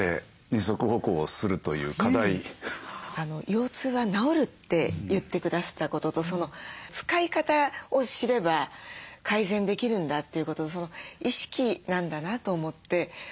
腰痛は治るって言ってくださったことと使い方を知れば改善できるんだということと意識なんだなと思って本当に希望が持てました。